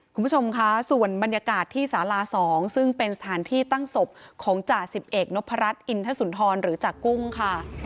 คุณผู้ชมค่ะส่วนบรรยากาศที่สารา๒ซึ่งเป็นสถานที่ตั้งศพของจ่าสิบเอกนพรัชอินทสุนทรหรือจากกุ้งค่ะ